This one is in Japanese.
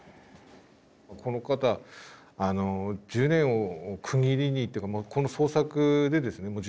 この方１０年を区切りにというかこの捜索でですね